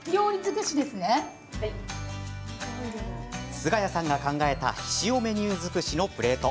菅谷さんが考えたひしおメニュー尽くしのプレート。